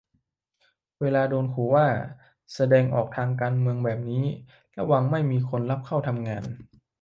เวลาโดนขู่ว่า แสดงออกการเมืองแบบนี้ระวังไม่มีคนรับเข้าทำงาน